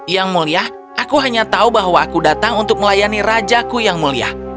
yang mulia aku hanya tahu bahwa aku datang untuk melayani rajaku yang mulia